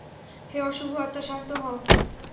হে অশুভ আত্মা, শান্ত হও।